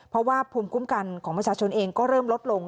เพราะว่าภูมิคุ้มกันของประชาชนเองก็เริ่มลดลง